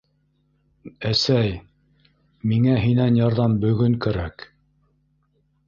Әсәй... миңә һинән ярҙам бөгөн кәрәк...